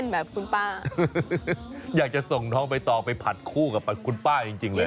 แบบคุณป้าอยากจะส่งน้องใบตองไปผัดคู่กับคุณป้าจริงเลย